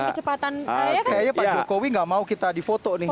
kecepatan kayaknya pak jokowi gak mau kita di foto nih